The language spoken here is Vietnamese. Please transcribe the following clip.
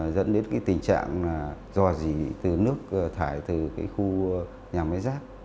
dẫn đến tình trạng do gì nước thải từ khu nhà máy rác